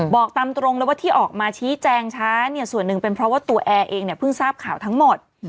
บอกตามตรงเลยว่าที่ออกมาชี้แจงช้าเนี่ยส่วนหนึ่งเป็นเพราะว่าตัวแอร์เองเนี่ยเพิ่งทราบข่าวทั้งหมด